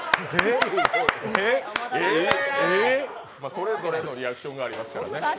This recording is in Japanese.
それぞれのリアクションがありますからね。